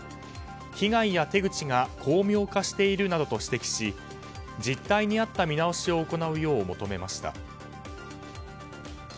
被害や手口が巧妙化しているなどと指摘し実態に合った見直しを行うよう求めました。